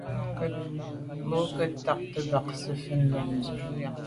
Bo nke ntagte mba zit mèn no ndù.